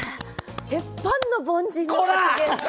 鉄板の凡人の発言です。